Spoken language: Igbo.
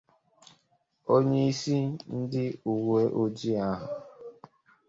onyeisi ndị uweojii ahụ